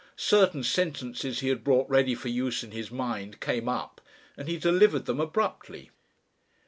Certain sentences he had brought ready for use in his mind came up and he delivered them abruptly.